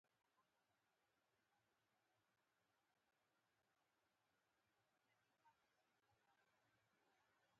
دا لویه وچه د ډول ډول اقلیمونو لرونکې ده.